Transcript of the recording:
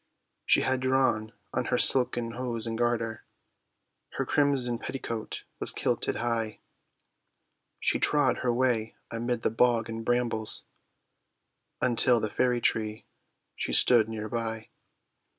She had drawn on her silken hose and garter, Her crimson petticoat was kilted high, She trod her way amid the bog and brambles, Until the fairy tree she stood near by.